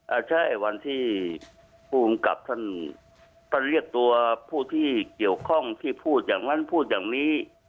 อ่าใช่วันที่ผู้กำกับท่านท่านเรียกตัวผู้ที่เกี่ยวข้องที่พูดอย่างนั้นพูดอย่างนี้